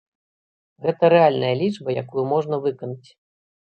Гэта рэальная лічба, якую можна выканаць.